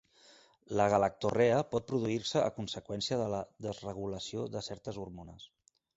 La galactorrea pot produir-se a conseqüència de la desregulació de certes hormones.